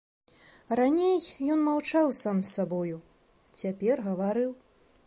Раней ён маўчаў сам з сабою, цяпер гаварыў.